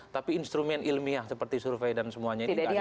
tapi instrumen ilmiah seperti survei dan semuanya ini kan